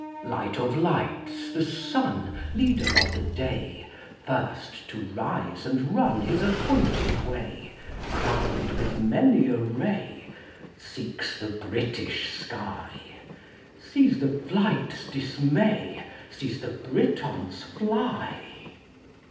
] Light of lights the sun, Leader of the day, First to rise and run His appointed way, Crowned with many a ray, Seeks the British sky; Sees the flight's dismay, Sees the Britons fly.